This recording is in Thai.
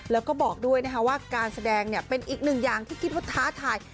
แล้วก็บอกด้วยนะคะว่าการแสดงเป็นอีกหนึ่งอย่างที่คิดว่าท้าทาย